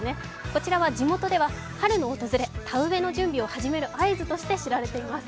こちらは地元では春の訪れ、田植えの準備を始める合図として知られています。